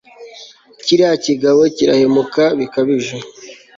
kiriya kigabo kirahemuka bikabije